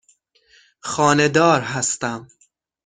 خانه دار هستم.